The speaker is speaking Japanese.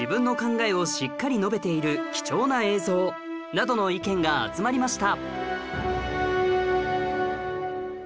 などの意見が集まりました